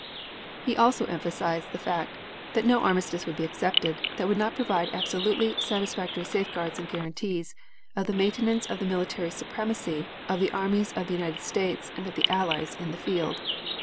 He also emphasized the fact that no armistice would be accepted that would not provide absolutely satisfactory safeguards and guarantees of the maintenance of the military supremacy of the armies of the United States and of the Allies in the field.